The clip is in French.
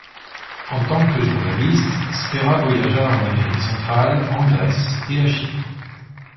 En tant que journaliste, Spera voyagea en Amérique Centrale, en Grèce et à Chypre.